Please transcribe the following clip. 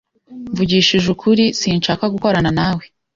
Mvugishije ukuri, sinshaka gukorana nawe.